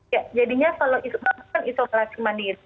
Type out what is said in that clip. ya jadinya kalau kan isolasi mandiri